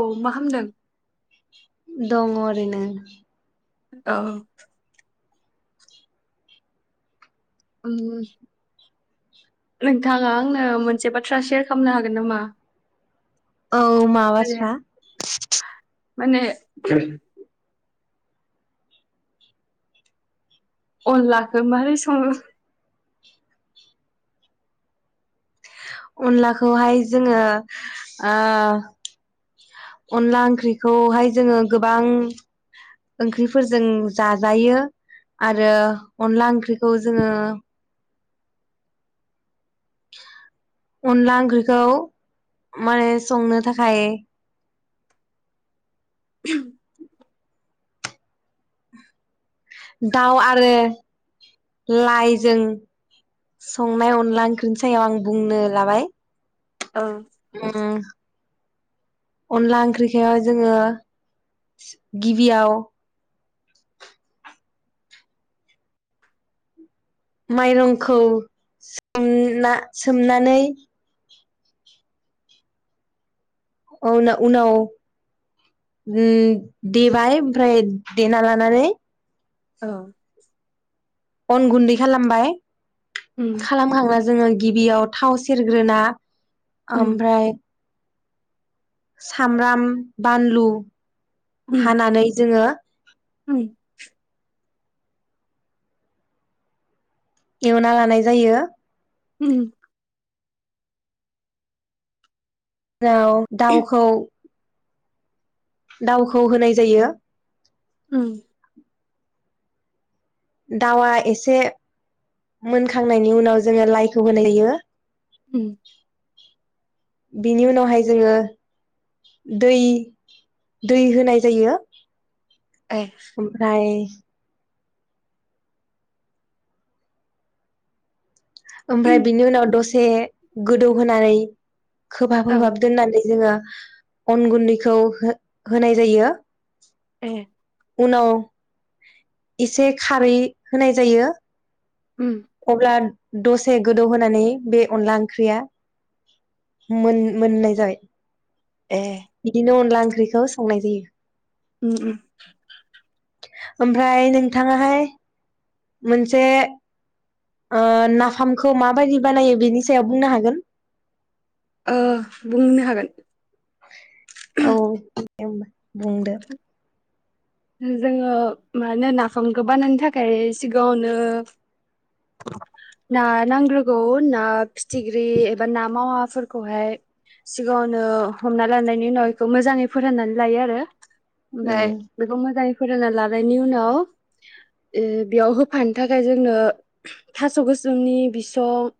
औ मा खामदों? दङ ओरैनो औ ओम नोंथाङा आंनो मोनसे बाथ्रा सेयार खालामनो हागोन नामा? औ मा माने बाथ्रा? माने अनलाखौ मारै सङो? अनलाखौहाय जोङो ओ अनला ओंख्रिखौहाय जोङो गोबां ओंख्रिफोरजों जा-जायो आरो अनला ओंख्रिखौ जोङो अनला ओंख्रिखौ माने संनो थाखाय दाउ आरो लाइजों संनाय अनला ओंख्रिनि सायाव आं बुंनो लाबाय। औ उम अनला ओंख्रिखौ जोङो गिबियाव माइरंखौ सोमना सोमनानै औन उनाव उम देबाय ओमफ्राय देना लानानै औ अन गुन्दै खालामबाय उम खालाम खांना जोङो गिबियाव थाव सेरग्रोना उम ओमफ्राय सामब्राम बानलु उम हानानै जोङो गैया उम एवना लानाय जायो उम औ दाउखौ दाउखौ होनाय जायो उम दाउआ एसे मोनखांनायनि उनाव जोङो लाइखौ होनाय जायो उम बेनि उनावहाय जोङो दै दै होनाय जायो ए ओमफ्राय ओमफ्राय बिनि उनाव दसे गोदौहोनानै खोबहाब औ खोबहाब दोननानै जोङो अन गुन्दैखौ हो होनाय जायो ए उनाव इसे खारै होनाय जायो उम अब्ला दसे गोदौ होनानै बे अनला ओंख्रिया मोन-मोननाय जायो ए बिदिनो अनला ओंख्रिखौ संनाय जायो उम उम ओमफ्राय नोंथाङाहाय मोनसे ओ नाफामखौ माबायदि बानायो बेनि सायाव बुंनो हागोन? ओ बुंनो हागोन औ दे होमबा बुंदो जोङो मा होनो नाफामखौ बानायनो थाखाय सिगाङावनो ना नांग्रोगौ ना फिथिख्रि एबा ना मावाफोरखौहाय सिगाङावनो हमना लानायनि उनाव बेखौ मोजाङै फोराननानै लायो आरो उम ओमफाय मोजाङै फोरानना लानायनि उनाव ओ बेयाव होफानो थाखाय जोंनो थास' गोसोमनि बिसं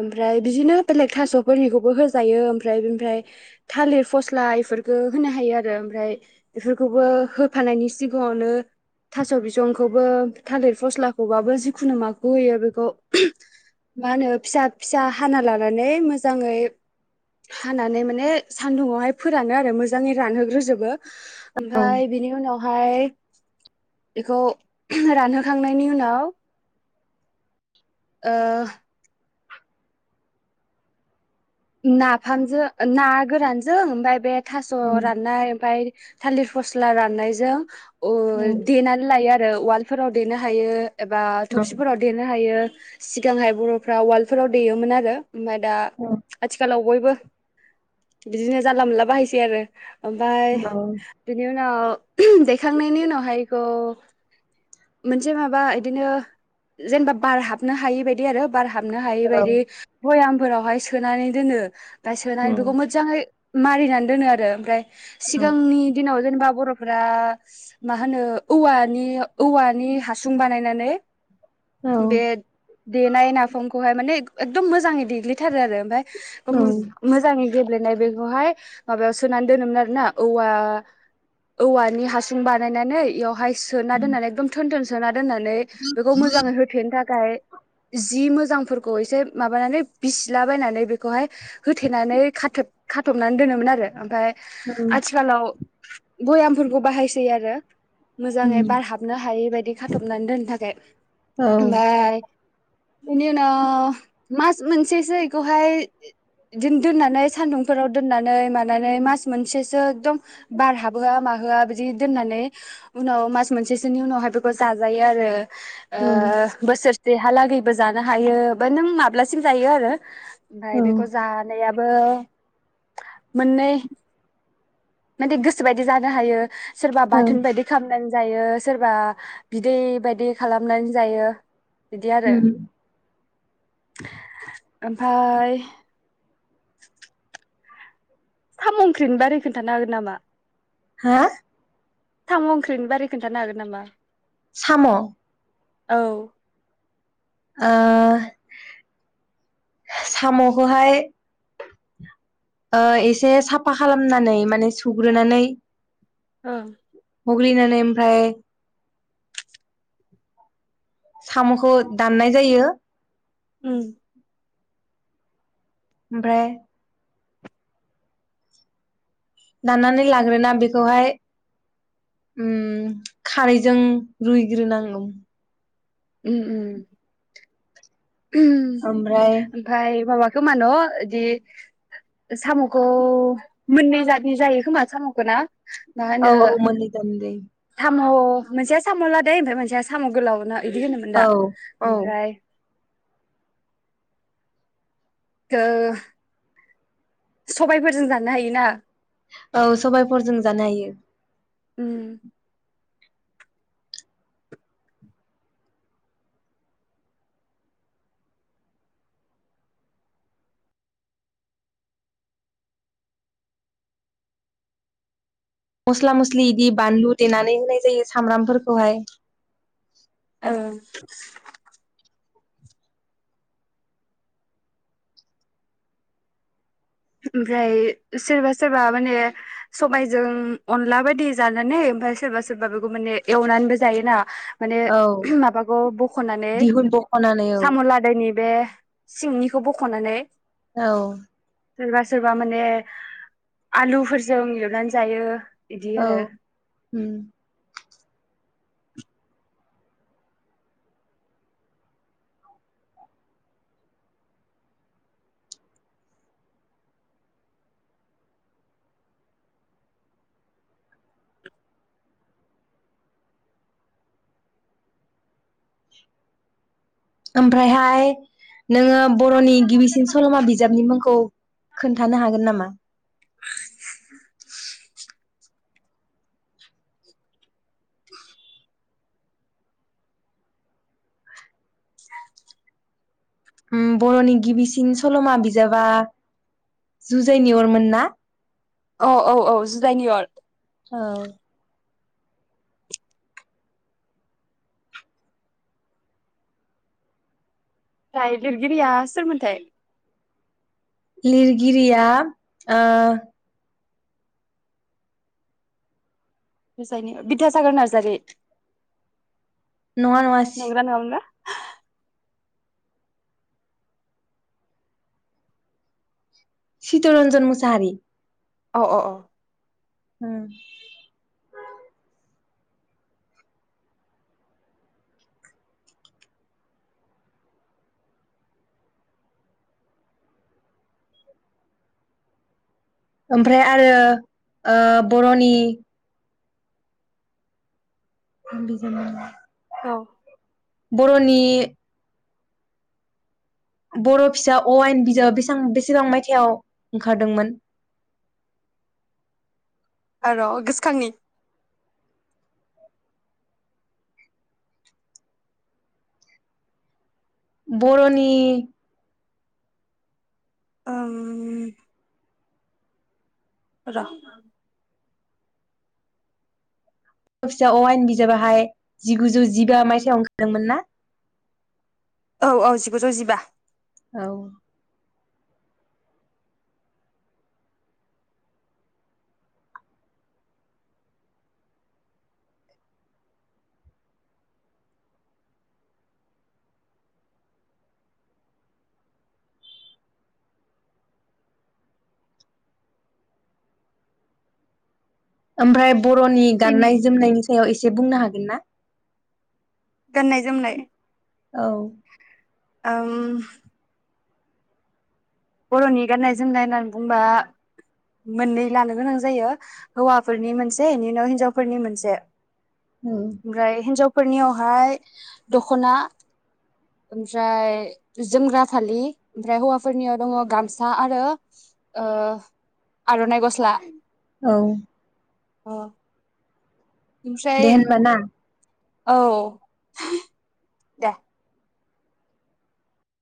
ओमफ्राय बिदिनो बेलेग थास'फोरनिखौबो होजायो ओमफ्राय बेनिफ्राय थालिर फस्ला इफोरखो होनो हायो आरो ओमफ्राय बेफोरखौबो होफानायनि सिगाङावनो थास' बिसंखौबो थालिर फस्लाखौबाबो जिखुनु माखौ होयो बेखौ मा होनो फिसा फिसा हाना लानानै मोजाङै हानानै माने सानदुंआवहाय फोरानो आरो मोजाङै रानहोग्रोजोबो। ओमफाय बेवहाय बेखौ रानहोखांनायनि उनाव ओ नाफामजों ना गोरानजों ओमफ्राय बे थास' औ राननाय ओमफाय थालिर फस्ला राननायजों अ औ देनानै लायो आरो ओ उवालफोराव देनो हायो एबा थबसिफोराव देनो हायो। सिगांहाय बर'फ्रा उवालफोराव देयोमोन आरो। ओमफ्राय दा औ आथिखालाव बयबो बिदिनो जानला मोनला बाहायसै आरो ओमफाय बिनि उनाव दैखांनायनि उनावहाय इखौ मोनसे माबा इदिनो जेनेबा बार हाबनो हायि बायदि आरो बार हाबनो हायै औ बायदि बयाम फोरावहाय सो नानै दोनो ओमफाय सोनानै बेखौ मोजाङै मारिनानै दोनो आरो ओमफ्राय औ सिगांनि दिनाव जेनेबा बर'फ फोरा मा होनो औवानि औवानि हासुं बानायनानै बेद देनाय नाफामखौहाय माने एक-एकदम मोजाङै देग्लिथारो आरो मो-मोजाङै गेेब्लेनाय बेखौहाय माबायाव सोनानै दोनोमोन आरोना औवा औवानि हासुं बानायनानै इयावहाय सोना दोनानै थोन थोन सोना दोननानै बेखौ मोजाङै होथेनो थाखाय जि मो जांफोरखौ एसे माबानानै बिसिला बायनानै बेखौहाय होथेनानै खाथ'ब खाथ'बनानै दोनोमोन आरो ओमफाय आथिखालाव भयामफोरखौ बाहायसै आरो मोजाङै बार हाबनो हायै बा बि खाथ'बनानै दोननो थाखाय औ ओमफाय बेनि उनाव मास मोनसेसोखौहाय बिदिनो दोननानै सान्दुंफोराव दोननानै मानानै मास मोनसेसो एकदम बार हाबोहोआ माहोआ बिदि दोननानै उनाव मास मोनसेसोनि उनावहाय बेखौ जाजायो आरो ओ बोसोर सेहालागैबो जानो हायो ओफ्राय नों माब्लासिम जायो आरो औ ओमफ्राय बेखौ जानाया बो मोननै माने गोसोबायदि जानो हायो सोरबा औ बाथोन बायदि खालामना जायो सोरबा बिदै बायदि खालामनानै जायो बिदि आरो उम ओम बाय [inaudible] साम ओंख्रिनि बारै खोनथानो हागोन नामा? हा साम ओंख्रिनि बारै खोनथानो हागोन नामा? साम औ सामखौहाय एसे साफा खालामनानै माने सुग्रोनानै ओं हग्लिनानै ओमफ्राय सामखौ दाननाय जायो उम ओमफ्राय दाननानै लाग्रोना बेखौहाय खारैजों रुइग्रोनांगौ उम उम उ ओमफ्राय ओमफाय माबा खोमा न बिदि सामखौ मोननै जातनि जायो खोमा सामखौ ना? मा औ होनो औ मोननै जातनि जायो साम मोनसेया साम लादाय ओमफ्राय मोनसेया साम गोलाव ना बिदि होनोमोन औ दा औ ओमफ्राय [unintelligible] सबायफोरजों जानो हायोना औ सबायाइफोरजों जानो हायो। उम मस्ला मस्लि बिदि बानलु देनानै होनाय जायो सामब्रामफोरखौहाय ओ ओमफ्राय सोरबा सोरबा माने सबायजों अनला बायदि जानानै ओमफ्राय सोरबा सोरबा बेखौ माने एवनानैबो जायोना माने औ माबाखौ बखनानै दिहुन बख'नानै औ साम लादायनि बे सिंनिखौ बखनानै औ सोरबा सोरबा माने आलुफोरजों एवनानै जायो। बिदि औ आरो उम ओमफ्राय हाय नोङो बरनि गिबिसिन सलमा बिजाबनि मुं खौ खोन्थानो हागोन नामा? उम बर'नि गिबिसिन सलमा बिजाबा जुजायनि अरमोन ना? औ औ औ जिुजायनि अर। औ ओमफ्राय लिरगिरिया सोरमोनथाय? लिरगिरिया ओ जुजायनि ओ बिद्यासागर नार्जारि। नङा नङा नंगोना नङामोनबा चितरन्जन मुसाहारि। अ अ अ उम ओमफ्राय आरो ओ बरनि [unintelligible] औ बर'नि बर' फिसा अ आयेन बिजाब बेसां बेसेबां मायथायाव ओंखारदोंमोन? ओ र गोसोखांनि। बर'नि ओं र फिसा अ आयेन बिजाबाहाय जिगुजौ जिबा मायथायाइाव ओंखारदोंमोन ना? औ औ जिगुजौ जिबा। औ ओमफ्राय बर'नि बिनि गाननाय जोमनायनि सायाव इसे बुंनो हागोन ना? गाननाय जोमनाय औ ओम बरनि गाननाय जोमनाय होननानै बुंबा मोननै लानो गोनां जायो हौवाफोरनि मोनसे इनि उनाव हिनजावफोरनि मोनसे। औ ओमफ्राय हिनजाव फोरनियावहाय दखना ओमफ्राय जोमग्रा फालि ओमफ्राय हौवाफोरनियाव दङ गामसा आरो ओ आरनाइ गस्ला औ अ ओमफ्राय दे होनबाना औ दे